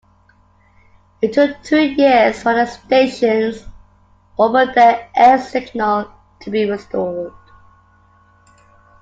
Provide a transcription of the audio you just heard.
It took two years for the station's over-the-air signal to be restored.